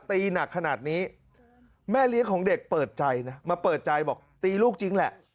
หนักขนาดนี้แม่เลี้ยงของเด็กเปิดใจนะมาเปิดใจบอกตีลูกจริงแหละ